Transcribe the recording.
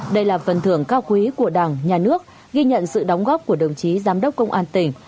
đây là phần thưởng cao quý của đảng nhà nước ghi nhận sự đóng góp của đồng chí giám đốc công an tỉnh